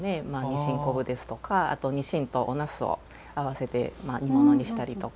にしん昆布ですとかにしんと、おなすを合わせて煮物にしたりとか。